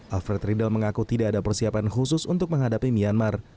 alfred riedel mengaku tidak ada persiapan khusus untuk menghadapi myanmar